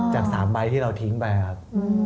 จาก๓ใบที่เราทิ้งไปครับ